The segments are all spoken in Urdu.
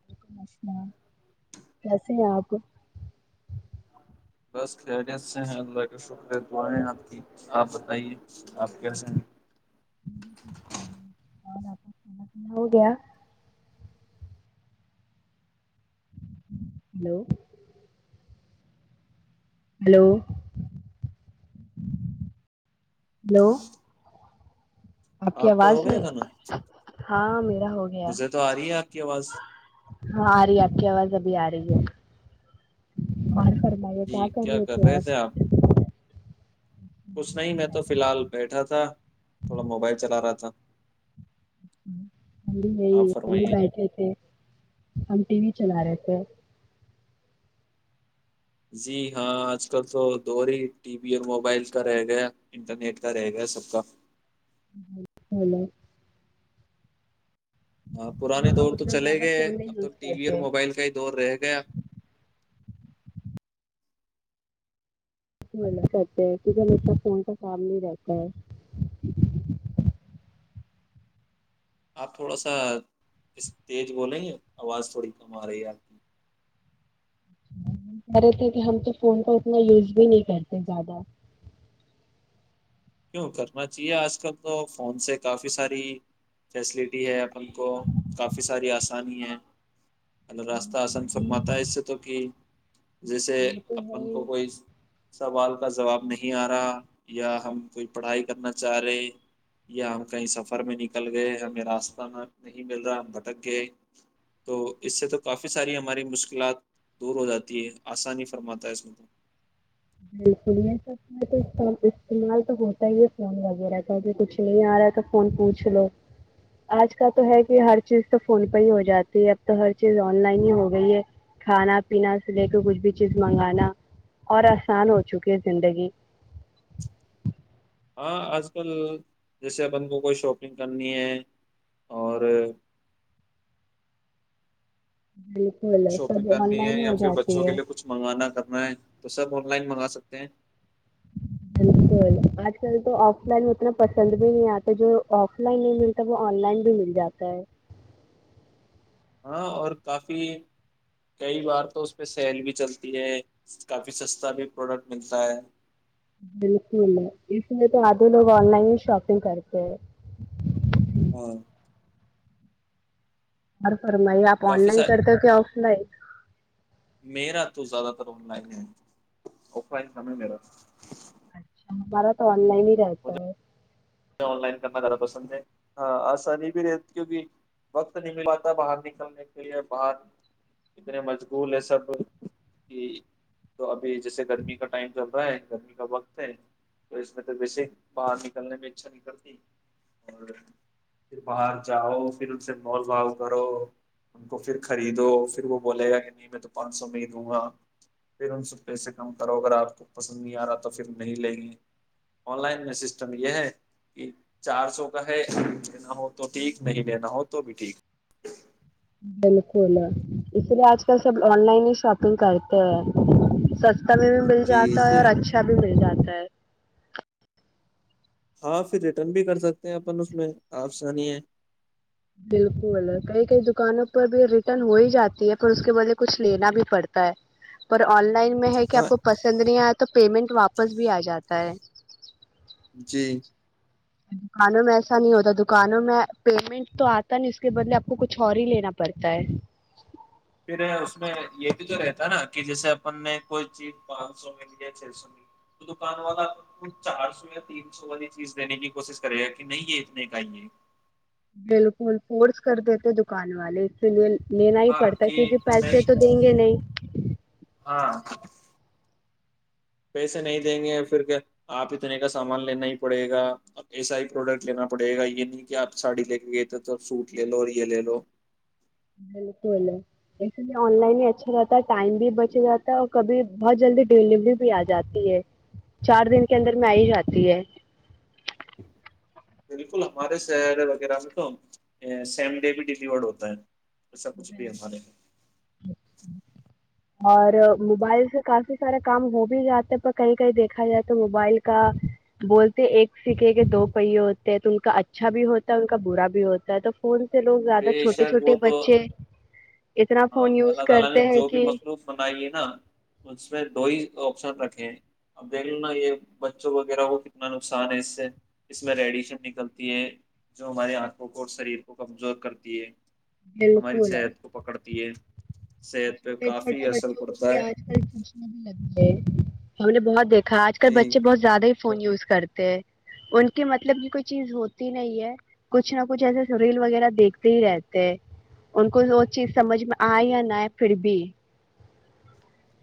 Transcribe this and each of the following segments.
ولیکم السلام کیسے آپ بس خیریت سے ہیں اللہ کا شکر دعائیں آپ کی آپ بتائیے آپ کیسے ہیں اور آپ کو کھانا پا ہو گیا ہیلو [unintelligible] ہلو ہلو آپ کی کا ہو آواز گیا میں تھا نا ہاں میرا ہو گیا مجھے تو آ رہی ہے آپ کی آواز ہاں آ رہی آپ کی آواز ابھی آ رہی ہے اورار کر [unintelligible] بھائییا کیا کر رہے تھے آپ کچھ نہیں میں تو فی الحال بیٹھا تھا تھوڑا موبائل چلا رہا تھا ہم بھی آپ یہی ہم بھی فرمائیے بیٹھے تھے ہم ٹی وی چلا رہے تھے ہیں [unintelligible] جی ہاں آج کل تو دور ہی ٹی وی اور موبائل کا رہ گیا ہے انٹرنیٹ کا رہ گیا ہے سب کا ہیلو ہاں پرانے ہم دور تو اتنا چلے زیادہ گئے فون نہیں اب تو یوز ٹی وی اور کرتے موبائل کا ہی دور رہ گیا کرتے ہے کیونک انا فون کا کام نہیں رہتا ہے [unintelligible] آپ تھوڑا سا اس تیز بولیں آواز تھوڑی کم آ رہی ہے آپ کی کہہ رہے تھے کہ ہم تو فون کا اتنا یوز بھی نہیں کرتے زیادہ کیوں کرنا چاہیے آج کل تو فون سے کافی ساری فیسلٹی ہے اپن کو کافی ساری آسانی ہے الو راستہ آسان جی فرماتا ہے اس سے تو کہ جیسے وہ تو ہے اپن ہی کو کوئی سوال کا جواب نہیں آ رہا یا ہم کوئی پڑھائی کرنا چاہ رہے یا ہم کہیں سفر میں نکل گئے ہمیں راستہ نہ نہیں مل رہا ہم بھٹک گئے تو اس سے تو کافی ساری ہماری مشکلات دور ہو جاتی ہے آسانی فرماتا ہے اس میں تو بالکل یہ سب تو استعمال تو ہوتا ہی ہے فون وغیرہ کا کچھ نہیں آ رہا ہے تو فون پوچھ لو آج کل تو ہے کہ ہر چیز تو فون پہ ہی ہو جاتی ہے اب تو ہر چیز آن لائن ہی ہو گئی ہے کھانا پینا سے لے کے کچھ بھی چیز منگانا اور آسان ہو چکی زندگی ہاں آج کل جیسے اپن کو کوئی شاپنگ کرنی ہے اور بالکل شاپنگ سب آن کرنی ہے لائن ہی یا ہو پھر بچوں جاتی کے ہے لیے کچھ منگوانا کرنا ہے تو سب آن لائن منگا سکتے ہیں بالکل آج کل تو آف لائن اتنا پسند بھی نہیں آتا جو آف لائن نہیں ملتا وہ آن لائن بھی مل جاتا ہے ہاں اور کافی کئی بار تو اس پہ سیل بھی چلتی ہے کافی سستا بھی پروڈکٹ ملتا ہے بالکل اس لیے تو آدھے لوگ آن لائن ہی شاپنگ کرتے ہیں ہاں اور [unintelligible] اور میں آپ آن کافی سا لائن کرتے کہ آف لائن ن لائن ہے آف لائن تھا ہے میرا اچھا ہمارا تو آن لائن ہی رہتا مجھے ہے آن لائن کرنا زیادہ پسند ہے ہاں آسانی بھی رہ کیونکہ وقت نہیں مل پاتا باہر نکلنے کے لیے باہر اتنے مشغول ہے سب کہ تو ابھی جیسے گرمی کا ٹائم چل رہا ہے گرمی کا وقت ہے تو اس میں تو بیسک باہر نکلنے میں اچھاتی اور پھر باہر جاؤ پھر ان سے مال وال کرو ان کو پھر خریدو پھر وہ بولے گا کہ نہیں میں تو پانچ سو میں ہی دوں گا پھر ان سے پیسے کم کرو اگر آپ کو پسند نہیں آ رہا تو پھر نہیں لیں گے آن لائن میں سسٹم یہ ہے کہ چار سو کا ہےھی لینا ہو تو ٹھیک نہیں لینا ہو تو بھی ٹھیک بالکل اسی لیے آج کل سب آن لائن ہی شاپنگ کرتے ہیں س مل جی جاتا ہے اور جی اچھا بھی مل جاتا سر اپ سے ریٹرن بھی کر سکتے ہیں اپن اس میں اپ سانی ہے بالکل کئی کئی دکانوں پر بھی ریٹرن ہو ہی جاتی ہے پر اس کے بلے کچھ لینا بھی پڑتا ہے پر آن لائن لن میں ہے کہ آپ ہاں کو پسند نہیں آیا تو پیمنٹ واپس بھی آ جاتا ہے جی دکانوں میں ایسا نہیں ہوتا دکانوں میں پیمنٹ تو آتا نہیں اس کے بدلے آپ کو کچھ اور ہی لینا پڑتا ہے پھر اس میں یہ بھی تو رہتا نا کہ جیسے اپن نے کوئی چیز پانچ سو م یا چھ سو م تو دکان والا کو چار سو یا تین سو والی چیز دینے کی کوشش کرے گا کہ نہیں یہ اتنے کائیے بالکل فورس کر دیتے دکان والے اسی لیے لینا ہی ہاں پڑتا کہ کیونکہ پیسے نہیں تو دیں گے نہیں ہاں پیسے نہیں دیں گے پھر کہ آپ اتنے کا سامان لینا ہی پڑے گا ایسا ہی پروڈکٹ لینا پڑے گا یہ نہیں کہ آپ ساڑی لے کے گئے تھے تو سوٹ لے لو یہ لے لو بالکل اس لیے آن لائن ہی اچھا رہتا ہے ٹائم بھی بچا رہاتا ہے اور کبھی بہت جلدی ڈیلیوری بھی آ جاتی ہے چار دن کے اندر میں آ ہی جاتی ہے بالکل ہمارے سرے وغیرہ میں تو سیم ڈے بھی ڈیلیورڈ ہوتا ہے ای سا کچھ بھی ہم ہمارے میں اور موبائل سے کافی سارا کام ہو بھی جاتا ہے پر کہیں کہیں دیکھا جائے تو موبائل کا بولتے ایک سیکھے کہ دو پہیے ہوتے ہیں تو ان کا اچھا بھی ہوتا ہے ان کا برا بھی ہوتا ہے تو فون لو زیادہ بے چوٹے شک وہ چھٹے تو بچے ج [unintelligible] اللہ تعالی نے جو بھی مخلوق بنائی ہے نا اس میں دو ہی آپشن رکھے اب دیکھ لو نا یہ بچوں وغیرہ کو کتنا نقصان ہے اس سے اس میں ریڈیشن نکلتی ہے جو ہماری آنکھوں کو اور شریر کو کمزور کرتی ہے ہماری صحت کو پکڑ تی ہے اور صحت پہ چھوٹے کافی چھوٹے اثر بچوں کو پڑتا بھی ہے آج کل سوچنے بھی لگ گ ہم نے بہت دیکھا آج ک جی بچے بہت زیادہ فون یوز کرتے ہیں ان کے مطلب کی کوئی چیز ہوتی نہیں ہے کچھ نہ کچھ ایسے ریل وغیرہ دیکھتے ہی رہتے ان کو وہ چیز سمجھ میں آئے یا نہئے پھر بھی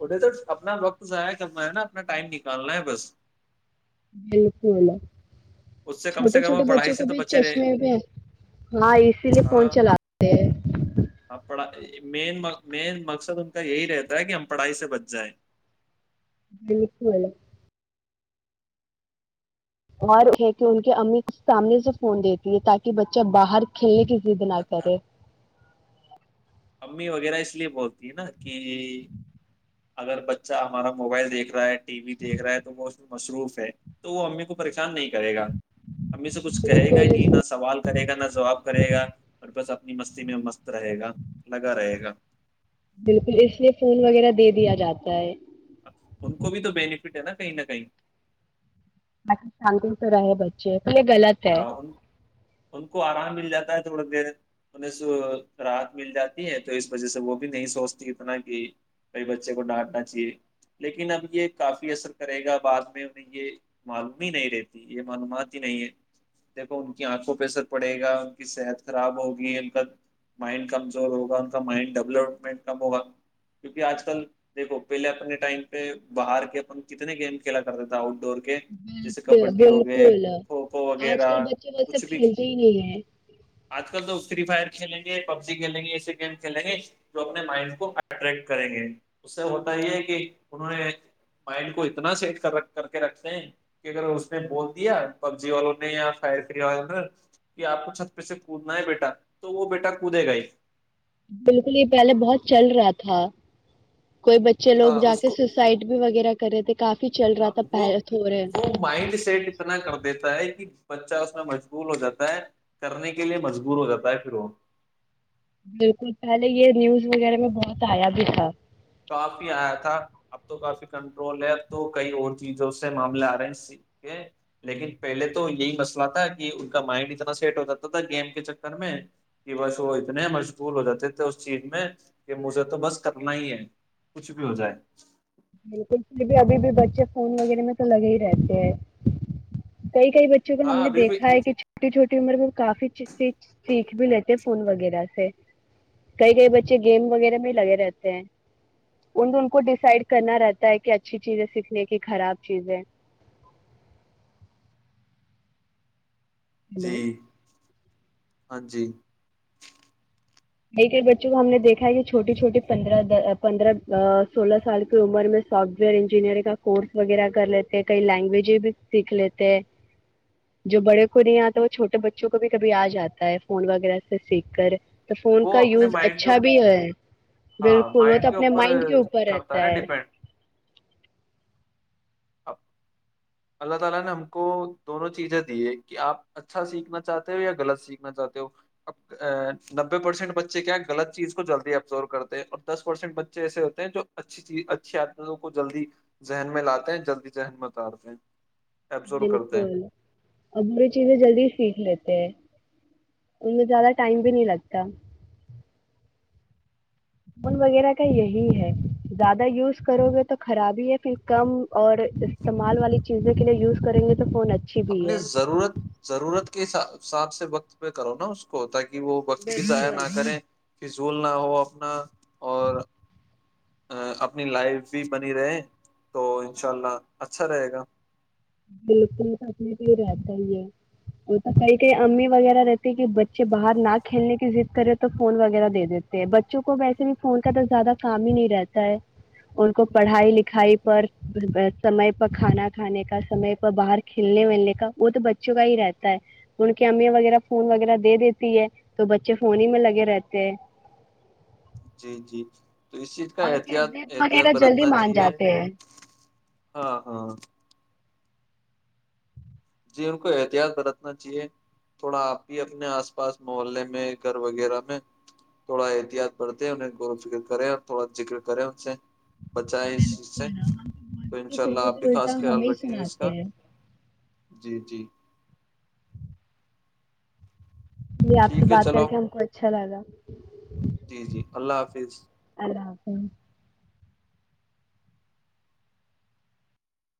اٹے تو اپنا وقت ضائع کرنا ہے نا اپنا ٹائم نکالنا ہے بس مل پولہا اس سے کم چھوٹے سے کم وہ چھوٹے پڑھائی بچوں سے کو تو بھی بچے رہے چشمے میں ہاں اسی لیے فون چلاتے ہیں پڑ م مین مقصد ان کا یہی رہتا ہے کہ ہم پڑھائی سے بچ جائیں بالکول اور یہ ہے کہ ان کے امی کو سامنے سے فون دیتی ہے تاکہ بچہ باہر کھیلنے کی جد نہ کرے امی وغیرہ اس لیے بہتی ہے نا کہ اگر بچہ ہمارا موبائل دیکھ رہا ہے ٹی وی دیک رہا ہے تو بہ مصروف ہے تو وہ امی کو پریشان نہیں کرے گا امی سے کچھ کہے گا ہی بالکل نہیں نہ سوال کرے گا نہ جواب کرے گا اور بس اپنی مستی میں مست رہے گا لگا رہے گا بالکل اس لیے فون وغیرہ دے دیا جاتا ہے ان کو بھی تو بینیفٹ ہے نا کہیں نہ کہیں م سانگل تو ہے بچے یہ غلط ہے ہاں ان ان کو آرام مل جاتا ہے تھوڑی دیر انہیں سے راحت مل جاتی ہے تو اس وجہ سے وہ بھی نہیں سوچتی اتنا کہ بئی بچے کو ڈانٹنا چاہیے لیکن اب یہ کافی اثر کرے گا بعد میں انہیں یہ معلوم ہی نہیں رہتی یہ معلومات ہی نہیں ہے دیکھو ان کی آنکھوں پہ اثر پڑے گا ان کی صحت خراب ہوگی ان کا مائنڈ کمزور ہوگا ان کا مائنڈ ڈیولپمنٹ کم ہوگا کیونکہ آج کل دیکھو پہلے اپنے ٹائم پہ باہر کے کتنے گیم کھیلا کرتا تھا آؤٹ ڈور کے جیسے کبڈی ہو گئے بالکل کھوکھو آج کل وغیرہ بچے وہ کچھ سب بھی کھیلتے ہی نہیں ہیں آج کل تو فری فائر کھیلیں گے پب جی کھیلیں گے ایسے گیم کھیلیں گے جو اپنے مائنڈ کو اٹریکٹ کریں گے اس سے ہوتا یہ ہے کہ انہوں نے مائنڈ کو اتنا سیٹ کر کے رکھتے ہیں کہ اگر اس نے بول دیا وال نے یا فر ف وال کہ آپ کو چھت پہ سے کودنا ہے بیٹا تو وہ بیٹا کودے گا ہی بالکل یہ پہلے بہت چل رہا تھا کوئی بچے لوگ جا کے سسائڈ بھی وغیرہ کرے ہ وہ وہ مائنڈ سیٹ اتنا کر دیتا ہے کہ بچہ اس میں مجبور ہو جاتا ہے کرنے کے لیے مجبور ہو جاتا ہے پھر وہ بالکل پہلے یہ نیوز وغیرہ میں بہت آیا بھی تھا کافی آیا تھا اب تو کافی کنٹرول ہے اب تو کئی اور چیزوں سے معاملے آ رہے ہیں س کے لیکن پہلے تو یہی مسئلہ تھا کہ ان کا مائنڈ اتنا سیٹ ہو جاتا تھا گیم کے چکر میں کہ بس وہ اتنے مشغول ہو جاتے تھے اس چیز میں کہ مجھے تو بس کرنا ہی ہے کچھ بھی ہو جائے بالکل پھر بھی ابھی بھی بچے فون وغیرہ میں تو لگے ہی رہتے ہیں کئی کئی بچوں کو ہم ہاں نے ابھی بھی دیکھا ہے کہ چھوٹی چھوٹی مر میں کافی سیکھ بھی لیتے ہیں فون وغیرہ سے کئی کئی بچے گیم وغیرہ میں لگے رہتے ہیں ان ان کو ڈسائڈ کرنا رہتا ہے کہ اچھی چیزیں سیکھنے کی خراب چیزیں جی ہیلو ہاں جی ک کئی بچوں کو ہم نے دیکھا ہے کہ چھوٹی چھوٹی پندرہ پندرہ سولہ سال کی عمر میں سافٹ ویئر انجینئرنگ کا کورس وغیرہ کر لیتے ہیں کئی لینگویج بھی سیکھ لیتے ہیں جو بڑے کو نہیں آتا وہ چھوٹے بچوں کو بھی کبھی آ جاتا ہے فون وغیرہ سے سیکھ کر تو فون وہ کا اپنے یوز مائنڈ کے اچھا بھی ہے ہاں بالکل وہ تو مائنڈ کے اپنے اوپر مائنڈ کے اوپر کرتا رہتا نا ہے ڈیپینڈ [unintelligible] جلدی ذہن متارتے ہیں ایبزرو کرتے ہیں بالکل ا بری چیزیں جلدی سیکھ لیتے ان میں زیادہ ٹائم بھی نہیں لگتا فون وغیرہ کا یہی ہے زیادہ یوز کرو گے تو خرابی ہے پھر کم اور استعمال والی چیز لیےیوزیں گے تو فون اچھا اپنے ضرورت ضرورت کے ساتھ ساتاب سے وقت پہ کرو نا اس کو تاکہ کہ وہ وقت بھی ضائع بالکل نہ کریں فضول نہ ہو اپنا اور اپنی لائف بھی بنی رہے تو ان شاء اللہ اچھا رہے گا بکلنے تو ہی رہتا ہی ہے وہ تو کئی کئی امی وغیرہ رہتی ہے کہ بچے باہر نہ کھیلنے کی ضد کرے تو فون وغیرہ دے دیتے ہیں بچوں کو ویسے بھی فون کا تو زیادہ کام ہی نہیں رہتا ہے ان کو پڑھائی لکھائی پر سمے پر کھانا کھانے کا سمے پر باہر کھلنے ولنے کا وہ تو بچوں کا ہی رہتا ہے ان کی امیا وغیرہ فون وغیرہ دے دیتی ہے تو بچے فون ہی میں لگے رہتے ہیں جی جی تو اس چیز کا ان کی احتیاط ضد احتیاط وغیرہ جلدی برتنا مان چاہیے جاتے ہیں ہاں ہاں جی ان کو احتیاط برتنا چاہیے تھوڑا آپ ہی اپنے آس پاس محلے میں گھر وغیرہ میں تھوڑا احتیاط برتے انہیں غور و فکر کریں اور تھوڑا ذکر کریں ان سے بچائیں اس چیز سے بالکل ہم تو بولتے ہیں انشاء اللہ پھر وہ آپ بھی تو خاص الٹا خیال ہمیں ہی رکھیں گے اس کا سناتے ہیں جی جی ج آپ سے ٹھیک ہے بات کر چلو کے ہم کو اچھا لگا [unintelligible] جی جی اللہ حافظ اپ [inaudible]